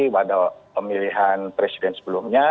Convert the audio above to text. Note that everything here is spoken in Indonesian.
waduh pemilihan presiden sebelumnya